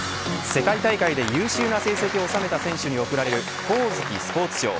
世界大会で優秀な成績を収めた選手に贈られる上月スポーツ賞。